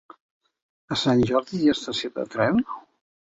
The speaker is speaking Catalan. A Sant Jordi hi ha estació de tren?